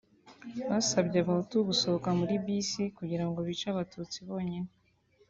Basabye Abahutu gusohoka muri bisi kugira ngo bice Abatutsi bonyine